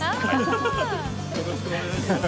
よろしくお願いします。